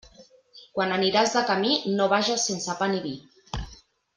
Quan aniràs de camí, no vages sense pa ni vi.